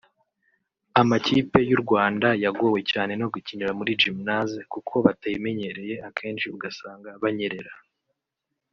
Amakipe y’u Rwanda yagowe cyane no gukinira muri Gymnase kuko batayimenyereye akenshi ugasanga banyerera